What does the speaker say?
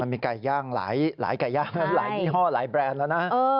มีไก่ย่างหลายไก่ย่างหลายยี่ห้อหลายแบรนด์แล้วนะ